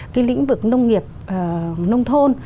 cái lĩnh vực nông nghiệp nông thôn